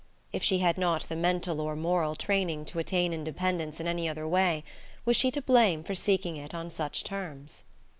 If she had not the mental or moral training to attain independence in any other way, was she to blame for seeking it on such terms?